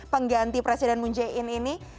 pengganti presiden moon jae in ini